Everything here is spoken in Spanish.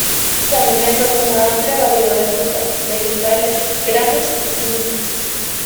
Se alimenta de una amplia variedad de frutas, vegetales, granos y semillas.